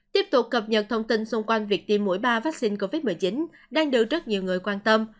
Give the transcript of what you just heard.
tiếp tục cập nhật thông tin xung quanh việc tiêm mũi ba vaccine covid một mươi chín đang được rất nhiều người quan tâm